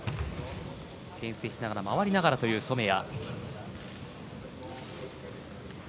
けん制しながら回りながらという染谷。